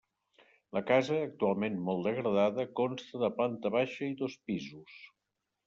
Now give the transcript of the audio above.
La casa, actualment molt degradada, consta de planta baixa i dos pisos.